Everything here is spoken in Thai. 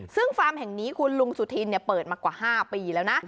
ซึ่งฟาร์มแห่งนี้คุณลุงสุธินเปิดมากว่า๕ปีแล้วนะ